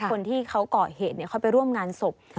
คนที่เขาก่อเหตุเขาไปร่วมงานศพ